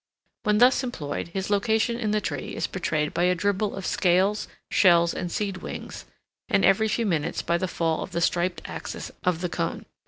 When thus employed, his location in the tree is betrayed by a dribble of scales, shells, and seed wings, and, every few minutes, by the fall of the stripped axis of the cone.